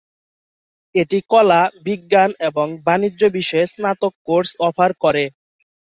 এটি কলা, বিজ্ঞান এবং বাণিজ্য বিষয়ে স্নাতক কোর্স অফার করে।